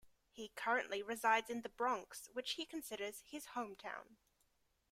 He currently resides in the Bronx which he considers his hometown.